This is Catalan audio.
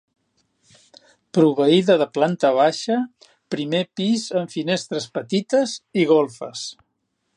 Proveïda de planta baixa, primer pis amb finestres petites i golfes.